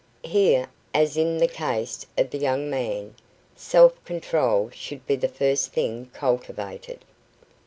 Here, as in the case of the young man, self control should be the first thing cultivated.